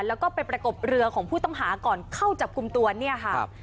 แล้วก็ไปประกบเรือของผู้ต้องหาก่อนเข้าจับกลุ่มตัวเนี่ยค่ะ